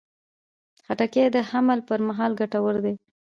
خټکی د حمل پر مهال ګټور دی.